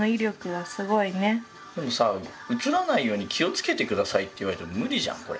でもさうつらないように気を付けて下さいって言われても無理じゃんこれ。